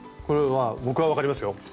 これは僕は分かりますよ。